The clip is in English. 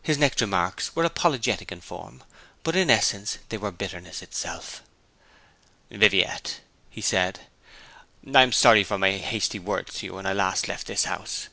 His next remarks were apologetic in form, but in essence they were bitterness itself. 'Viviette,' he said, 'I am sorry for my hasty words to you when I last left this house.